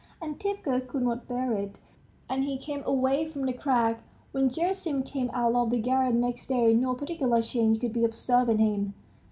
Antipka could not bear it, and he came away from the crack. When Gerasim came out of the garret next day, no particular change could be observed in him.